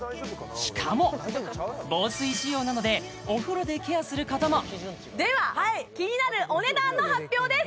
しかも防水仕様なのでお風呂でケアすることもでは気になるお値段の発表です